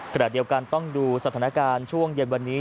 ขณะเดียวกันต้องดูสถานการณ์ช่วงเย็นวันนี้